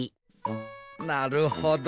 なるほど。